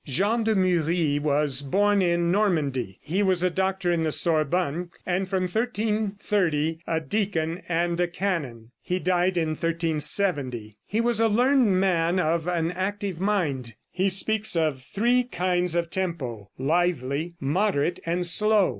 Jean de Muris was born in Normandy. He was a doctor in the Sorbonne, and from 1330 a deacon and a canon. He died in 1370. He was a learned man of an active mind. He speaks of three kinds of tempo lively, moderate and slow.